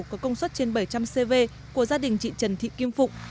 có công suất trên bảy trăm linh cv của gia đình chị trần thị kim phụng